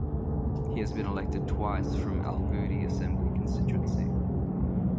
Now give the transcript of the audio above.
He has been elected twice from Alangudi assembly constituency.